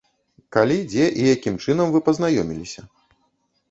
Калі, дзе і якім чынам вы пазнаёміліся?